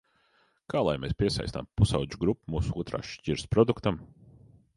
Kā lai mēs piesaistām pusaudžu grupu mūsu otrās šķiras produktam?